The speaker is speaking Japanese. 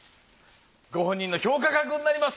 ご本人の評価額になります。